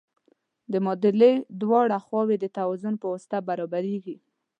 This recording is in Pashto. د معادلې دواړه خواوې د توازن په واسطه برابریږي.